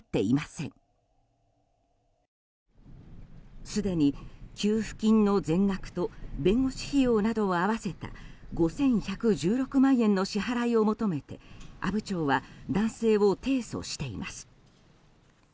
すでに給付金の全額と弁護士費用などを合わせた５１１６万円の支払いを求めて阿武町は男性を提訴しています。